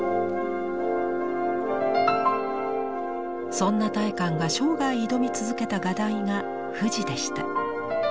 そんな大観が生涯挑み続けた画題が富士でした。